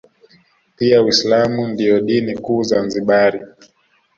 Pia uislamu ndio dini kuu Zanzibari